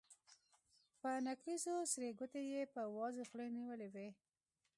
په نکريزو سرې ګوتې يې په وازې خولې نيولې وې.